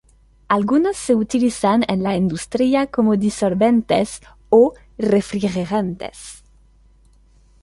Algunos se utilizan en la industria como disolventes o refrigerantes.